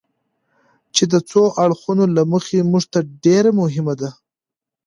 چې د څو اړخونو له مخې موږ ته ډېره مهمه ده.